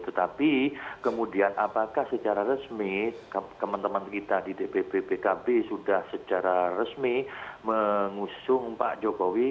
tetapi kemudian apakah secara resmi teman teman kita di dpp pkb sudah secara resmi mengusung pak jokowi